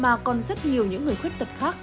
mà còn rất nhiều những người khuyết tật khác